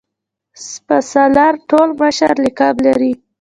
سپه سالار ټول مشر لقب لري.